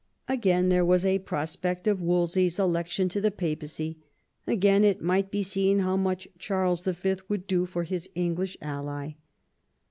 Again there was a prospect of Wolsey^s election to the papacy; again it might be seen how much Charles V. would do for his English ally.